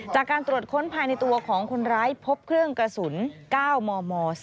จากการตรวจค้นภายในตัวของคนร้ายพบเครื่องกระสุน๙มม๔